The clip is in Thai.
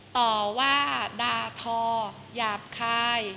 ต่อว่าด่าทอหยาบคาย